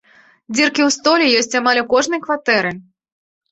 Дзіркі ў столі ёсць амаль у кожнай кватэры.